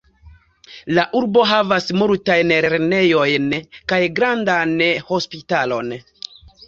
La urbo havas multajn lernejojn kaj grandan hospitalon.